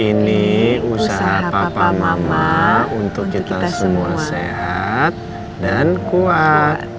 ini usaha papa mama untuk kita semua sehat dan kuat